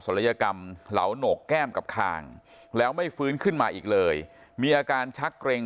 ลัยกรรมเหลาโหนกแก้มกับคางแล้วไม่ฟื้นขึ้นมาอีกเลยมีอาการชักเกร็ง